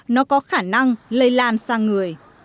nó có khả năng lây lan sang người